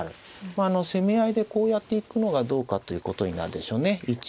まあ攻め合いでこうやっていくのがどうかということになるでしょうね。